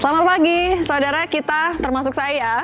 selamat pagi saudara kita termasuk saya